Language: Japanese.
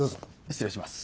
失礼します。